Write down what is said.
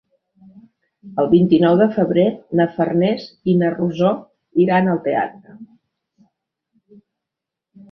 El vint-i-nou de febrer na Farners i na Rosó iran al teatre.